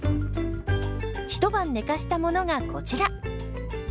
一晩寝かしたものがこちら。